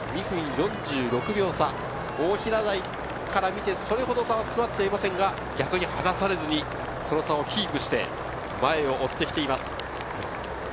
２分４６秒差、大平台から見て、それほど差は詰まっていませんが逆に離されずにその差をキープして前を追ってきています。